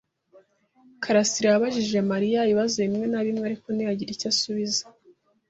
karasira yabajije Mariya ibibazo bimwe na bimwe, ariko ntiyagira icyo asubiza.